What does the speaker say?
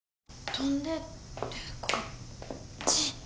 跳んででこっち。